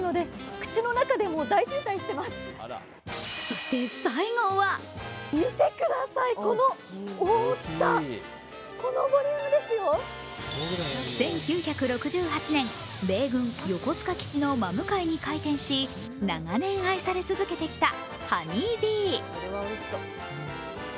そして、最後は１９６８年、米軍・横須賀基地の真向かいに開店し長年愛され続けてきたＨＯＭＥＹＢＥＥ。